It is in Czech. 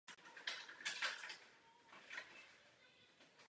Na dobu stavby byla postavena pomocná nákladní lanovka.